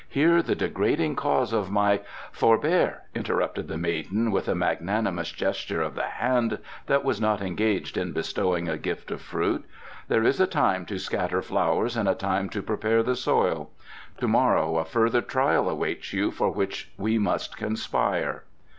Hear the degrading cause of my " "Forbear," interrupted the maiden, with a magnanimous gesture of the hand that was not engaged in bestowing a gift of fruit. "There is a time to scatter flowers and a time to prepare the soil. To morrow a further trial awaits you, for which we must conspire."